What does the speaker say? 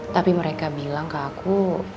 tapi mereka bilang ke aku